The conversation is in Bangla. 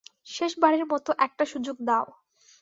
শেষ বারের মতো একটা সুযোগ দাও।